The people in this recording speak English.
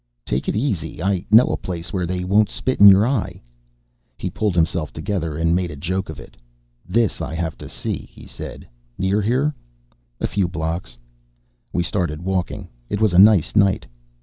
"Take it easy. I know a place where they won't spit in your eye." He pulled himself together and made a joke of it. "This I have to see," he said. "Near here?" "A few blocks." We started walking. It was a nice night.